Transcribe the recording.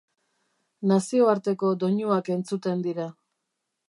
Nazioarteko doinuak entzuten dira.